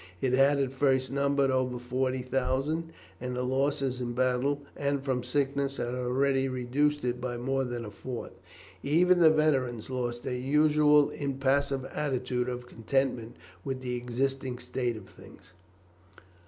It had at first numbered over 40,000, and the losses in battle and from sickness had already reduced it by more than a fourth. Even the veterans lost their usual impassive attitude of contentment with the existing state of things.